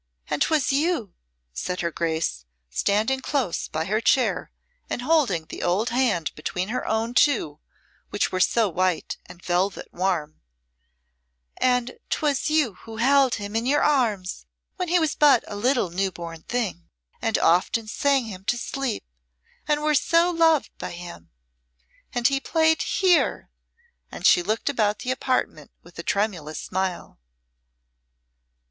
"And 'twas you," said her Grace, standing close by her chair, and holding the old hand between her own two, which were so white and velvet warm, "and 'twas you who held him in your arms when he was but a little new born thing, and often sang him to sleep, and were so loved by him. And he played here " and she looked about the apartment with a tremulous smile.